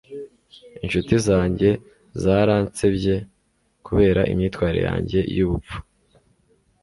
inshuti zanjye zaransebye kubera imyitwarire yanjye y'ubupfu